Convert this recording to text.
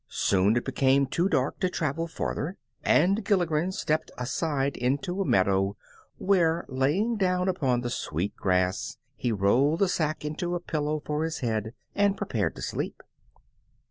Soon it became too dark to travel farther, and Gilligren stepped aside into a meadow, where, lying down upon the sweet grass, he rolled the sack into a pillow for his head and prepared to sleep.